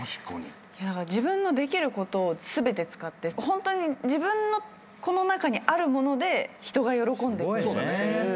自分のできることを全て使ってホントに自分のこの中にあるもので人が喜んでくれるという。